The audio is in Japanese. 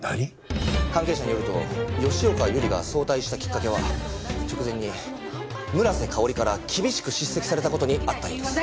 関係者によると吉岡百合が早退したきっかけは直前に村瀬香織から厳しく叱責された事にあったようです。